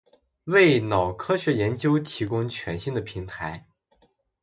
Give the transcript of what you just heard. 为脑科学研究提供全新的平台